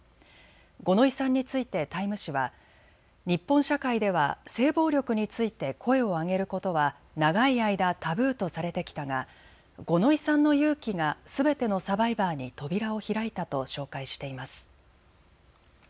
五ノ井さんについてタイム誌は日本社会では性暴力について声を上げることは長い間、タブーとされてきたが五ノ井さんの勇気がすべてのサバイバーに扉を開いたと紹介しています。